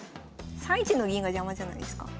３一の銀が邪魔じゃないですか？